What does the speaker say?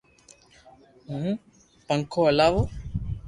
ھون پنکو ھلاو